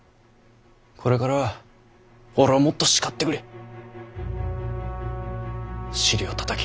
これからは俺をもっと叱ってくれ。